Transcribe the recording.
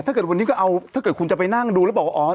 ถ้าเกิดวันนี้ก็เอาถ้าเกิดคุณจะไปนั่งดูแล้วบอกว่าอ๋อ